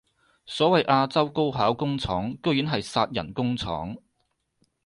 所謂亞洲高考工廠居然係殺人工廠